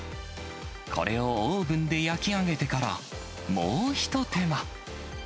これをオーブンで焼き上げてから、もう一手間。